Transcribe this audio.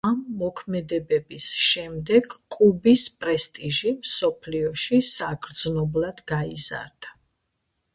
ამ მოქმედებების შემდეგ კუბის პრესტიჟი მსოფლიოში საგრძნობლად გაიზარდა.